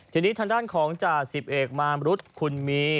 ทีนี้ทางด้านของจ่าสิบเอกมามรุษคุณมี